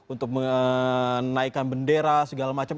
untuk menaikkan bendera segala macam